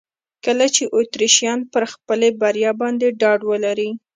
کله چې اتریشیان پر خپلې بریا باندې ډاډ ولري.